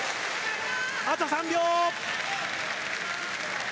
あと３秒！